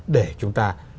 để chúng ta